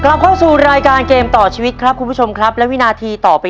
กลับเข้าสู่รายการเกมต่อชีวิตครับคุณผู้ชมครับและวินาทีต่อไป